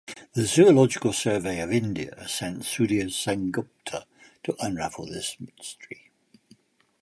The zoological survey of India sent Sudhir Sengupta to unravel this mystery.